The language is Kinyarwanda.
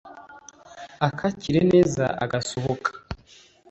akakira neza agasohoka